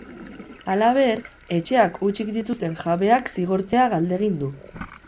Halaber, etxeak hutsik dituzten jabeak zigortzea galdegin du.